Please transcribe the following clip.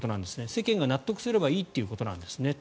世間が納得すればいいということなんですね。